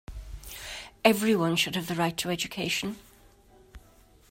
Everyone should have the right to education.